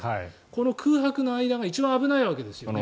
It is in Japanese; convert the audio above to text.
この空白の間が一番危ないわけですよね。